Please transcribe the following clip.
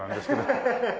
ハハハハ！